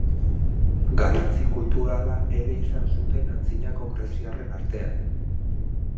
Garrantzi kulturala ere izan zuten antzinako greziarren artean.